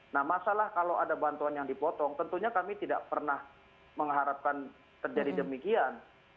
nah masalah kalau ada bantuan yang dipotong tentunya kami tidak pernah mengharapkan terjadi demikian